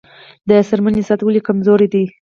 د څرمنې صنعت ولې کمزوری دی؟